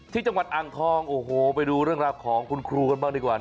ที่จังหวัดอ่างทองโอ้โหไปดูเรื่องราวของคุณครูกันบ้างดีกว่า